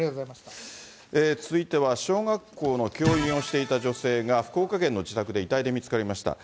続いては小学校の教員をしていた女性が、福岡県の自宅で遺体で見つかりました。